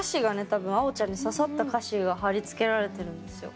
多分あおちゃんに刺さった歌詞が貼り付けられてるんですよ。